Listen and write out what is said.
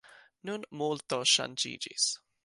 Nun multo ŝanĝiĝis.